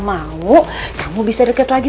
mau kamu bisa dekat lagi